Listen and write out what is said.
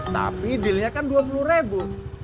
tapi dealnya kan dua puluh ribu